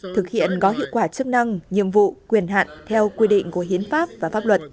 thực hiện có hiệu quả chức năng nhiệm vụ quyền hạn theo quy định của hiến pháp và pháp luật